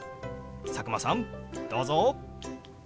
佐久間さんどうぞ！